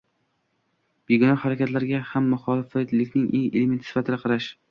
“begunoh” harakatlarga ham “muxoliflik”ning elementi sifatida qarash